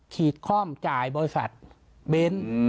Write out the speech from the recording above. ฉีดคล่อมจ่ายบริษัทเบนท์